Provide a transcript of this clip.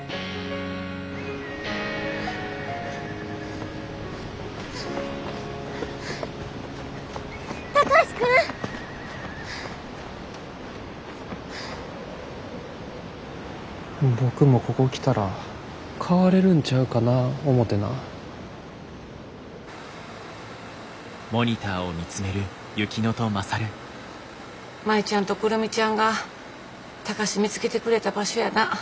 舞ちゃんと久留美ちゃんが貴司見つけてくれた場所やな。